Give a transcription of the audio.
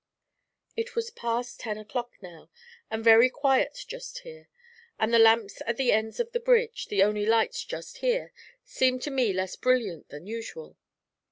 It was past ten o'clock now, and very quiet just here, and the lamps at the ends of the bridge, the only lights just here, seemed to me less brilliant than usual.